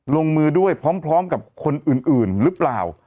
ลงมือด้วยพร้อมกับคนอื่นหรือเปล่า